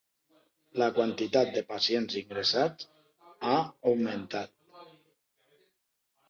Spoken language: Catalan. La quantitat de pacients ingressats ha augmentat.